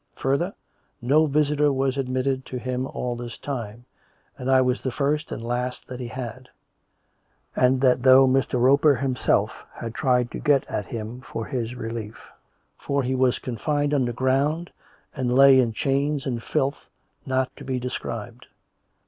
Further, no visitor was admitted to him all this time, and I was the firsrt and the last that he had; and that though Mr. Roper himself had tried to get at him for his relief; for he was confined underground and lay in chains and filth not to be described.